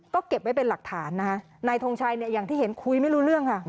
ก็เก็บไว้เป็นหลักฐานนะคะนายทงชัยเนี่ยอย่างที่เห็นคุยไม่รู้เรื่องค่ะ